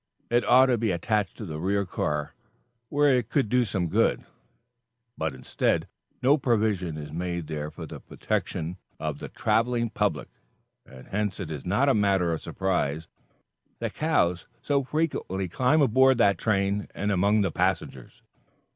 It ought to be attached to the rear car, where it could do some good; but instead, no provision is made there for the protection of the traveling public, and hence it is not a matter of surprise that cows so frequently climb aboard that train and among the passengers.